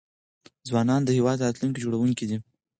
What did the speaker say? ځوانان د هيواد راتلونکي جوړونکي دي .